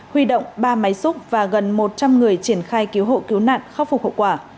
huy động ba máy xúc và gần một trăm linh người triển khai cứu hộ cứu nạn khắc phục hậu quả